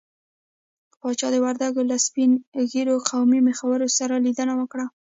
پاچا د وردګو له سپين ږيرو قومي مخورو سره ليدنه وکړه.